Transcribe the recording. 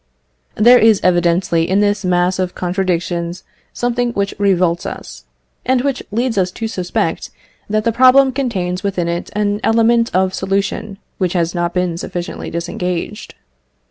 There is evidently in this mass of contradictions something which revolts us, and which leads us to suspect that the problem contains within it an element of solution which has not been sufficiently disengaged.